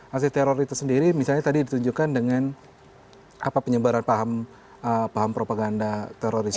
aksi teror itu sendiri misalnya tadi ditunjukkan dengan apa penyebaran paham propaganda terorisme